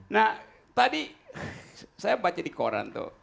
nah tadi saya baca di koran tuh